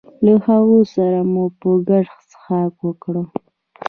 له هغو سره مو په ګډه څښاک وکړ.